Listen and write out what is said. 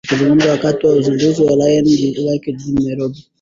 Akizungumza wakati wa uzinduzi wa ilani yake jijini Nairobi